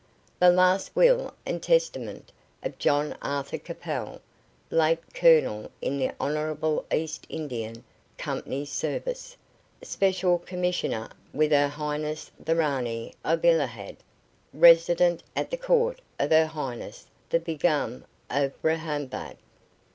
"The last will and testament of John Arthur Capel, late Colonel in the Honourable East India Company's Service, Special Commissioner with her Highness the Ranee of Illahad; Resident at the court of her Highness the Begum of Rahahbad!"